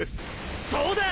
そうだ！